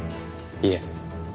いえ。